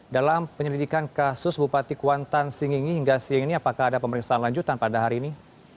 dalam penyelidikan kasus bupati kuantan singingi hingga siang ini apakah ada pemeriksaan lanjutan pada hari ini